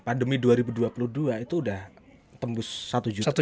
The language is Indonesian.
pandemi dua ribu dua puluh dua itu udah tembus satu juta